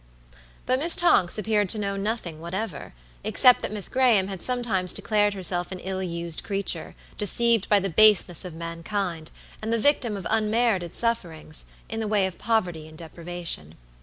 But Miss Tonks appeared to know nothing whatever; except that Miss Graham had sometimes declared herself an ill used creature, deceived by the baseness of mankind, and the victim of unmerited sufferings, in the way of poverty and deprivation.